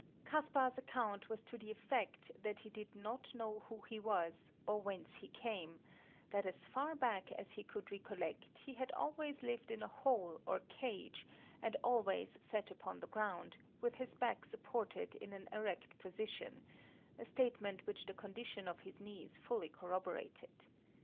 Caspar's account was to the effect that he did not know who he was, or whence he came; that as far back as he could recollect he had always lived in a hole or cage, and always sat upon the ground, with his back supported in an erect position, a statement which the condition of his knees fully corroborated.